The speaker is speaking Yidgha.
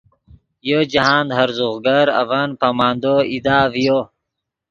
یو جاہند ہرزوغ گر اڤن پامندو ایدا ڤیو